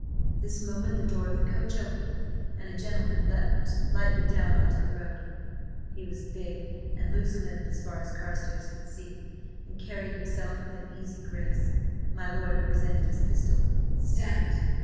At this moment the door of the coach opened and a gentleman leapt lightly down on to the road. He was big and loose limbed as far as Carstares could see, and carried himself with an easy grace. My lord presented his pistol. "Stand!"